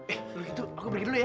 eh dulu gitu aku pergi dulu ya